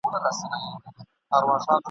له دراوړو څخه اخستل سوي دي